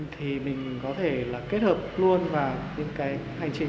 thì mình có thể là kết hợp luôn vào những cái hành trình